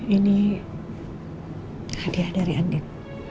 ini hadiah dari andin